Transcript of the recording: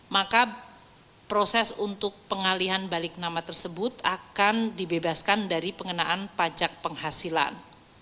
maka proses untuk pengalihan balik nama tersebut akan dibebaskan dari pengenaan pajak penghasilan